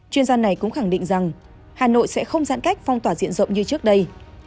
chuyên gia này cũng khẳng định rằng hà nội sẽ không giãn cách phong tỏa diện rộng như trước đây